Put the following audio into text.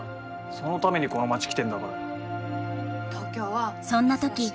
そのためにこの町来てんだからよ。